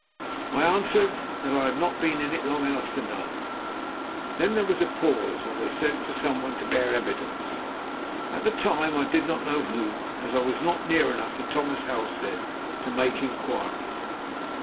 I answered that I had not been in it long enough to know. Then there was a pause while they sent for someone to bear evidence; at the time I did not know whom, as I was not near enough to Thomas Halstead to make inquiries.